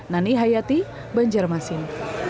nani hayati banjarmasin